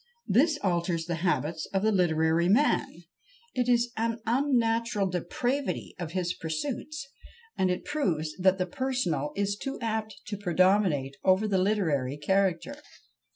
This alters the habits of the literary man: it is an unnatural depravity of his pursuits and it proves that the personal is too apt to predominate over the literary character.